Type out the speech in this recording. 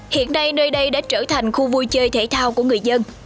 hiện nay nơi đây đã trở thành khu vui chơi thể thao của người dân